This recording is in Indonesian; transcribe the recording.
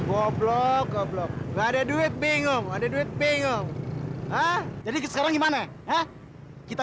ngobrol nggak ada duit bingung ada duit bingung ah jadi ke sekarang gimana kita